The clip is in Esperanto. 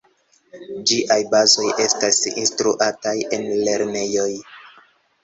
Ĝiaj bazoj estas instruataj en lernejoj.